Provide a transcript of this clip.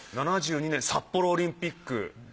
７２年札幌オリンピック。